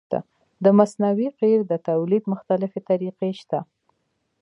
د مصنوعي قیر د تولید مختلفې طریقې شته